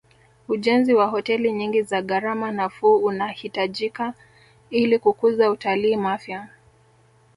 ujenzi wa hoteli nyingi za gharama nafuu unahitajika ili kukuza utalii mafia